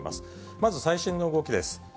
まず最新の動きです。